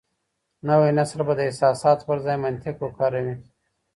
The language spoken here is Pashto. نوی نسل به د احساساتو پر ځای منطق وکاروي.